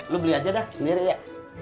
lu beli aja dah sendiri ya